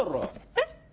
えっ？